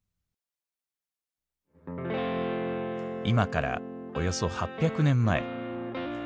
今からおよそ８００年前。